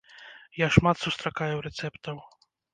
Я шмат сустракаю рэцэптаў.